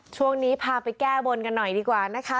ช่วงนี้พาไปแก้บนกันหน่อยดีกว่านะคะ